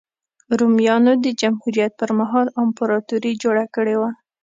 رومیانو د جمهوریت پرمهال امپراتوري جوړه کړې وه.